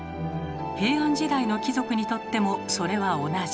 平安時代の貴族にとってもそれは同じ。